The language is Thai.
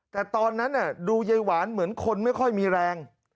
แต่ตอนนั้นดูยายหวานเหมือนคนไม่ค่อยมีแรง